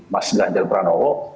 mas ganjar pranowo